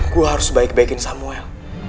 gue harus baik baikin samuel